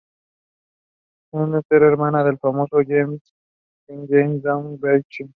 Henrietta era hermana del famoso James FitzJames, duque de Berwick.